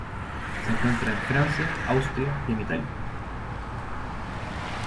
Se encuentra en Francia, Austria y en Italia.